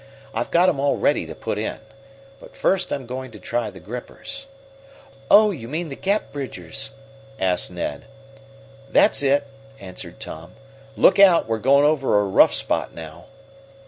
I've got 'em all ready to put in. But first I'm going to try the grippers." "Oh, you mean the gap bridgers?" asked Ned. "That's it," answered Tom. "Look out, we're going over a rough spot now."